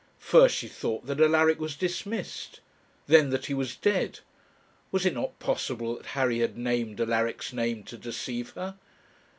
First she thought that Alaric was dismissed, then that he was dead; was it not possible that Harry had named Alaric's name to deceive her?